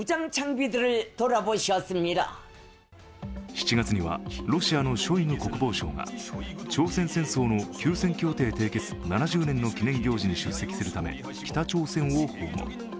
７月には、ロシアのショイグ国防相が朝鮮戦争の休戦協定締結７０年の記念行事に出席するため北朝鮮を訪問。